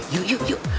yuk yuk yuk